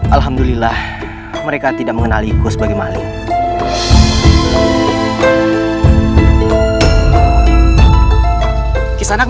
aku harus menemukan nenek itu